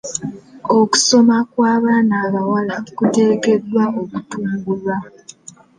Okusoma kw'abaana abawala kuteekeddwa okutumbulwa.